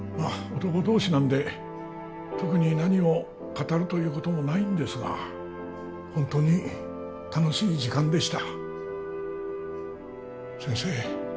男同士なんで特に何を語るということもないんですがホントに楽しい時間でした先生